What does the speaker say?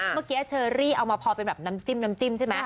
เมื่อกี้เชอร์รี่เอามาพอเป็นนำจิ้มใช่ไหม